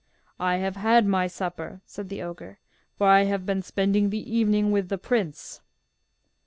'I have had my supper,' said the ogre, 'for I have been spending the evening with the prince.